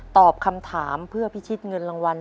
ตอบคำถามเพื่อพิชิตเงินรางวัล